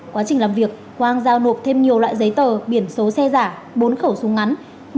quá trình làm việc quang giao nộp thêm nhiều loại giấy tờ biển số xe giả bốn khẩu súng ngắn